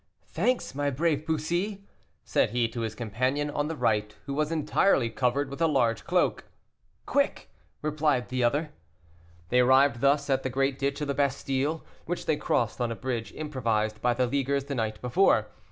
Thanks, my brave Bussy," said he to his companion on the right, who was entirely covered with a large cloak. "Quick!" replied the other. They arrived thus at the great ditch of the Bastile, which they crossed on a bridge improvised by the Leaguers the night before.